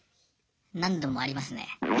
何度もありますね。